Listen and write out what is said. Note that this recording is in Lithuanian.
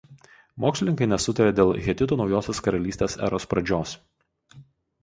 Mokslininkai nesutaria dėl hetitų Naujosios karalystės eros pradžios.